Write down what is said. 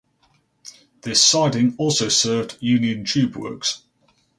This siding also served Union Tube Works.